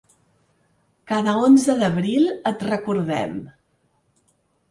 Cada onze d’abril et recordem.